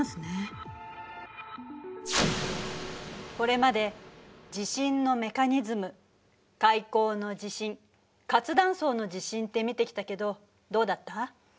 これまで地震のメカニズム海溝の地震活断層の地震って見てきたけどどうだった？